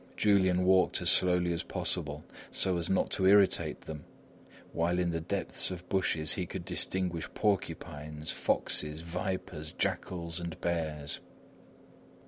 Julian walked as slowly as possible, so as not to irritate them, while in the depth of bushes he could distinguish porcupines, foxes, vipers, jackals, and bears.